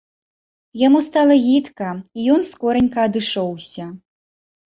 Яму стала гідка, і ён скоранька адышоўся.